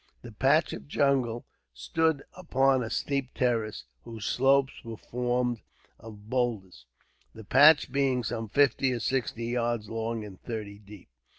The patch of jungle stood upon a steep terrace, whose slopes were formed of boulders, the patch being some fifty or sixty yards long and thirty deep.